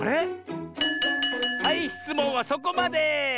はいしつもんはそこまで！